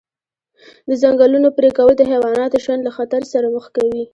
د ځنګلونو پرېکول د حیواناتو ژوند له خطر سره مخ کوي.